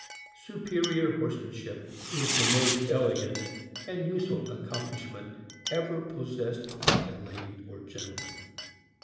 Superior horse manship is the most elegant and useful accomplishment ever possessed by a lady or gentleman.